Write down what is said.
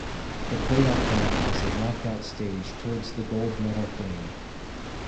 The playoff round was a knockout stage towards the gold medal game.